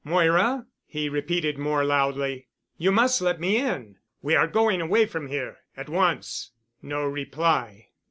"Moira," he repeated more loudly. "You must let me in. We are going away from here—at once." No reply.